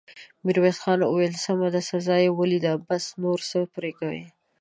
ميرويس خان وويل: سمه ده، سزا يې وليده، بس، نور څه پرې کوې!